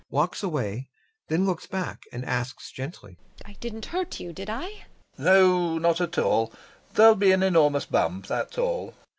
[Walks away, then looks back and asks gently] I didn't hurt you, did I? LOPAKHIN. No, not at all. There'll be an enormous bump, that's all.